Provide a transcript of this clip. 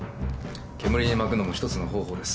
煙に巻くのもひとつの方法です。